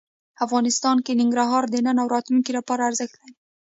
افغانستان کې ننګرهار د نن او راتلونکي لپاره ارزښت لري.